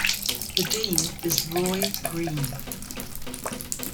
The Dean is Roy Green.